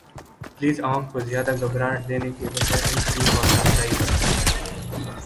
piles عوام کو زیادہ گھبراہٹ دینے کے بجاے ان کی حوصلہ افزائی کریں